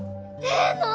ええの！？